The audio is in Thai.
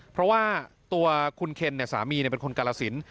เพราะว่าตัวคุณเคนสามีเป็นคนกาลสิน